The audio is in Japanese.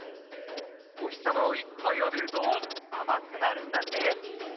おひさまをいっぱいあびるとあまくなるんだって！